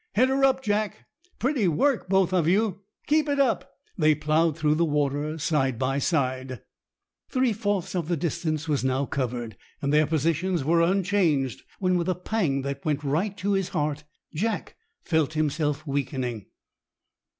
"Hit her up, Jack!" "Pretty work, both of you; keep it up!" they ploughed through the water side by side. [Illustration: "JACK FELT HIMSELF WEAKENING."] Three fourths of the distance was now covered, and their positions were unchanged, when with a pang that went right to his heart Jack felt himself weakening.